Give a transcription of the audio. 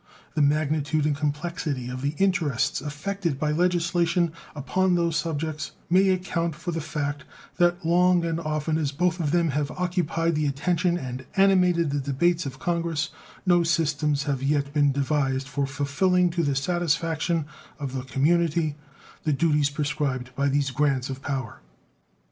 The magnitude and complexity of the interests affected by legislation upon these subjects may account for the fact that, long and often as both of them have occupied the attention and animated the debates of Congress, no systems have yet been devised for fulfilling to the satisfaction of the community the duties prescribed by these grants of power.